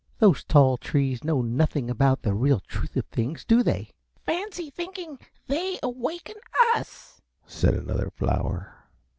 "Those tall trees know nothing about the real truth of things, do they?" "Fancy thinking they awaken us!" said another flower.